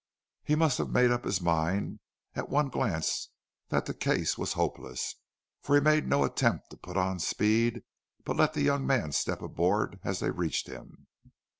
He must have made up his mind at one glance that the case was hopeless, for he made no attempt to put on speed, but let the young man step aboard as they reached him.